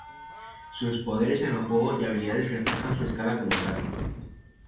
Sus poderes en el juego y habilidades reflejan su escala colosal.